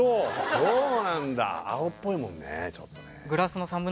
そうなんだ青っぽいもんねちょっとね